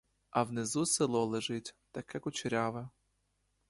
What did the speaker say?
А внизу село лежить, таке кучеряве.